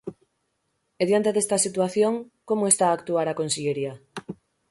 E diante desta situación, ¿como está a actuar a Consellería?